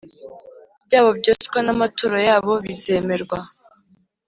byabo byoswa n amaturo yabo bizemerwa